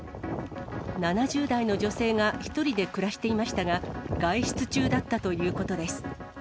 ７０代の女性が１人で暮らしていましたが、外出中だったということです。